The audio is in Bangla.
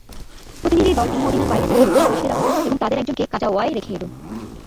প্রতিনিধি দলটি মদীনার বাইরে তাদের উটগুলো বসিয়ে রাখল এবং তাদের একজনকে কাজাওয়ায় রেখে এল।